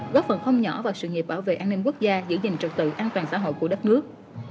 góp phần không nhỏ vào sự nghiệp bảo vệ an ninh quốc gia giữ gìn trật tự an toàn xã hội của đất nước